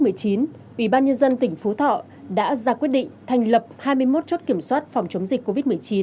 ủy ban nhân dân tỉnh phú thọ đã ra quyết định thành lập hai mươi một chốt kiểm soát phòng chống dịch covid một mươi chín